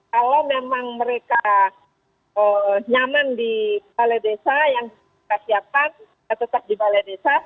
kalau memang mereka nyaman di balai desa yang kita siapkan tetap di balai desa